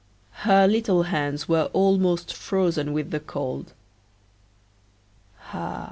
Her little hands were almost frozen with the cold. Ah!